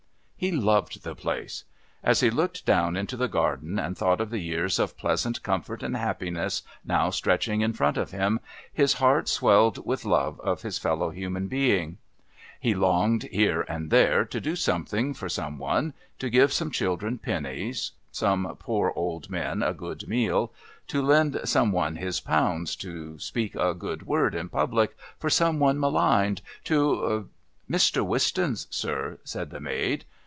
He loved the place. As he looked down into the garden and thought of the years of pleasant comfort and happiness now stretching in front of him, his heart swelled with love of his fellow human beings. He longed, here and now, to do something for some one, to give some children pennies, some poor old men a good meal, to lend some one his pounds, to speak a good word in public for some one maligned, to "Mr. Wistons, sir," said the maid.